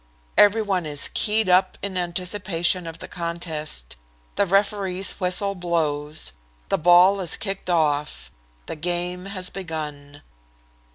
Every one is keyed up in anticipation of the contest. The referee's whistle blows; the ball is kicked off the game has begun.